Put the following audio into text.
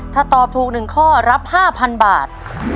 ถ้าตอบถูก๑ข้อรับ๕๐๐๐บาท